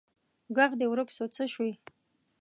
ږغ دي ورک سو څه سوي